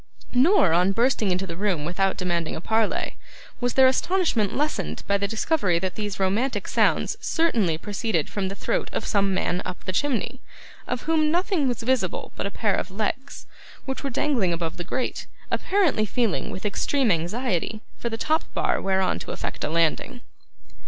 Nor, on bursting into the room without demanding a parley, was their astonishment lessened by the discovery that these romantic sounds certainly proceeded from the throat of some man up the chimney, of whom nothing was visible but a pair of legs, which were dangling above the grate; apparently feeling, with extreme anxiety, for the top bar whereon to effect a landing.